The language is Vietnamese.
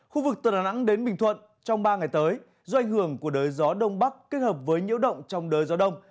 khu vực từ đà nẵng đến bình thuận trong ba ngày tới do ảnh hưởng của đới gió đông bắc kết hợp với nhiễu động trong đời gió đông